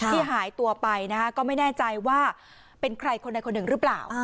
หายตัวไปนะคะก็ไม่แน่ใจว่าเป็นใครคนใดคนหนึ่งหรือเปล่า